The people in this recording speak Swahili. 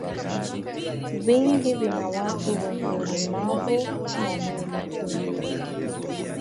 Vingi vina watu wenye ulemavu wa mwili tu.